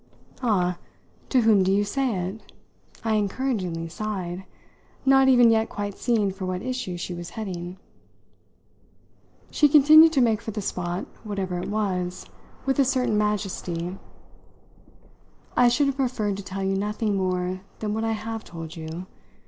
"Ah, to whom do you say it?" I encouragingly sighed; not even yet quite seeing for what issue she was heading. She continued to make for the spot, whatever it was, with a certain majesty. "I should have preferred to tell you nothing more than what I have told you.